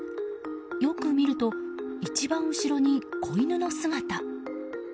よく見ると、一番後ろに子犬の姿。